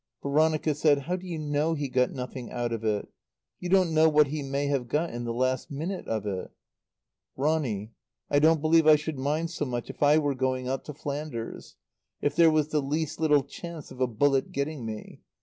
Veronica said, "How do you know he got nothing out of it? You don't know what he may have got in the last minute of it." "Ronny, I don't believe I should mind so much if I were going out to Flanders if there was the least little chance of a bullet getting me.